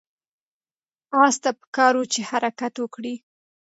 آس ته پکار وه چې حرکت وکړي.